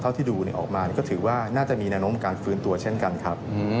ที่ดูออกมาก็ถือว่าน่าจะมีแนวโน้มการฟื้นตัวเช่นกันครับ